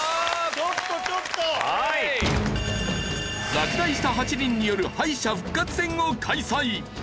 落第した８人による敗者復活戦を開催。